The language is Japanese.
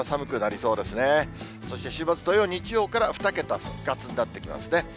そして週末、土曜、日曜から２桁復活になってきますね。